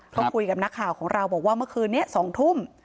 ก็คุยกับนักข่าวของเราบอกว่าเมื่อคืนนี้๒ทุ่ม